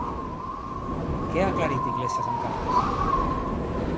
Què ha aclarit Iglesias amb Carles?